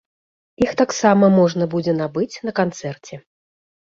Іх таксама можна будзе набыць на канцэрце.